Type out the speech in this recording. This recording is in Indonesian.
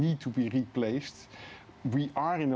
kita berada di kawasan